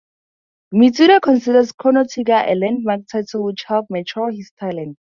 Mitsuda considers "Chrono Trigger" a landmark title which helped mature his talent.